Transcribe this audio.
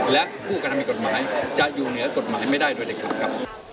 และผู้กระทำผิดกฎหมายจะอยู่เหนือกฎหมายไม่ได้โดยเด็ดขาดครับ